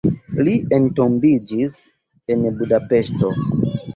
Li entombiĝis en Budapeŝto.